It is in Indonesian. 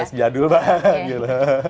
sangat jadul banget